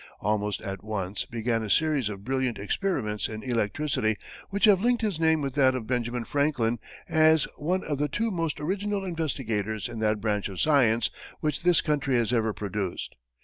Almost at once began a series of brilliant experiments in electricity which have linked his name with that of Benjamin Franklin as one of the two most original investigators in that branch of science which this country has ever produced.